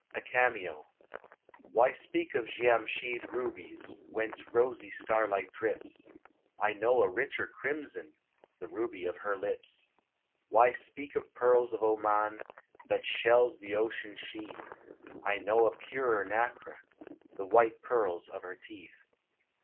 A CAMEO. Why speak of Giamschid rubies Whence rosy starlight drips? I know a richer crimson, The ruby of her lips. Why speak of pearls of Oman That shells of ocean sheathe? I know a purer nacre, The white pearls of her teeth.